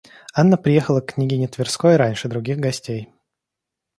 Анна приехала к княгине Тверской раньше других гостей.